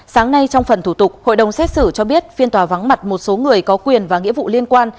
sáng nay trong phần thủ tục hội đồng xét xử cho biết phiên tòa vắng mặt một số người có quyền và nghĩa vụ liên quan